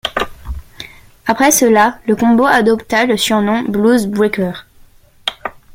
Après cela, le combo adopta le surnom Bluesbreaker.